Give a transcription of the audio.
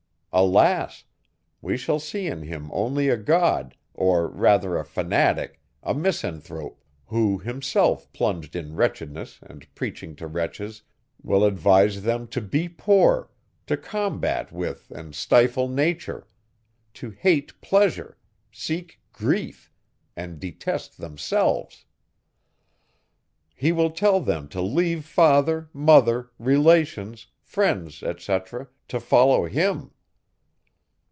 Alas! we shall see in him only a God, or rather a fanatic, a misanthrope, who, himself plunged in wretchedness and preaching to wretches, will advise them to be poor, to combat with and stifle nature, to hate pleasure, seek grief, and detest themselves. He will tell them to leave father, mother, relations, friends, etc., to follow him.